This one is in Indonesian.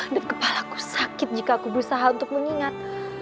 dan kepalaku sakit jika aku berusaha untuk mengingat